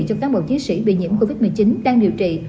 cho cán bộ chiến sĩ bị nhiễm covid một mươi chín đang điều trị